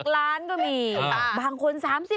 ล้านก็มีบางคน๓๐